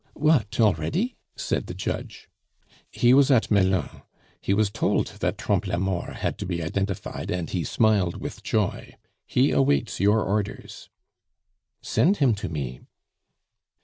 "What, already?" said the judge. "He was at Melun. He was told that Trompe la Mort had to be identified, and he smiled with joy. He awaits your orders." "Send him to me."